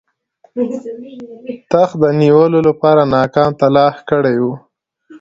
تخت د نیولو لپاره ناکام تلاښ کړی وو.